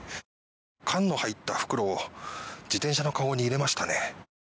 缶が入った袋を自転車のかごに入れましたね。